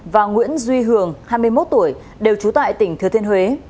và nguyễn duy hường hai mươi một tuổi đều trú tại tỉnh thừa thiên huế